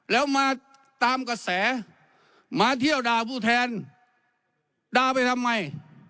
แล้วมาตามกระแสมาเที่ยวด่าผู้แทนด่าไปทำไม